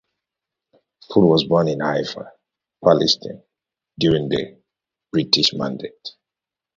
Foot was born in Haifa, Palestine, during the British mandate.